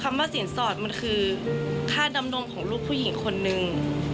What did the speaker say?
ว่าสินสอดมันคือค่าดำรงของลูกผู้หญิงคนนึง